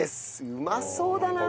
うまそうだな！